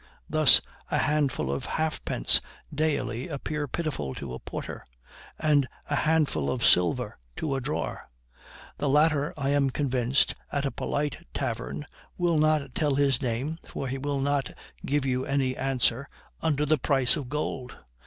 Thus, a handful of halfpence daily appear pitiful to a porter, and a handful of silver to a drawer. The latter, I am convinced, at a polite tavern, will not tell his name (for he will not give you any answer) under the price of gold.